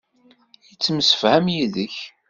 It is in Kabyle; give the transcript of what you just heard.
Yettemsefham yid-k.